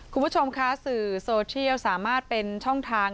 คุณผู้ชมคะสื่อโซเชียลสามารถเป็นช่องทาง